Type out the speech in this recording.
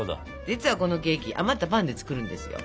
実はこのケーキ余ったパンで作るんですよ。